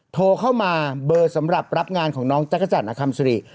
โทรเข้ามาเบอร์สำหรับรับงานของน้องจักรจันทร์อคัมซิริ